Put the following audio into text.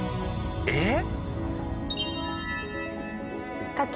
えっ？